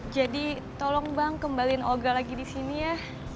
jadi tolong bang kembalin olga lagi disini ya